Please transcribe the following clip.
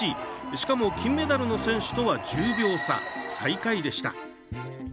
しかも、金メダルの選手とは１０秒差、最下位でした。